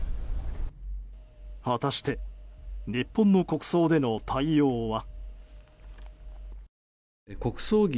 果たして日本の国葬での対応は。